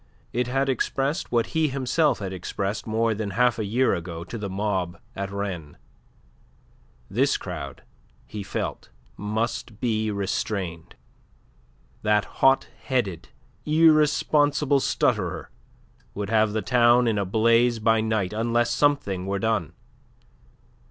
It had expressed what himself he had expressed more than half a year ago to the mob at Rennes. This crowd, he felt must be restrained. That hot headed, irresponsible stutterer would have the town in a blaze by night unless something were done.